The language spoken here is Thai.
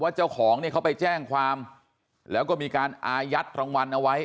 เจ้าของเนี่ยเขาไปแจ้งความแล้วก็มีการอายัดรางวัลเอาไว้